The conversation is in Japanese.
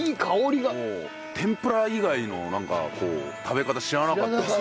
天ぷら以外のなんかこう食べ方知らなかった。